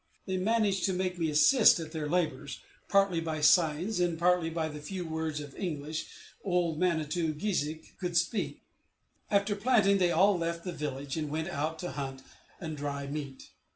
They managed to make me assist at their labors, partly by signs, and partly by the few words of English old Manito o geezhik could speak. After planting, they all left the village, and went out to hunt and dry meat.